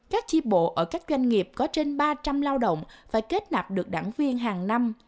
các chi bộ ở các doanh nghiệp có trên ba trăm linh lao động phải kết nạp được đảng viên hàng năm